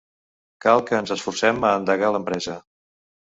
Cal que ens esforcem a endegar l'empresa.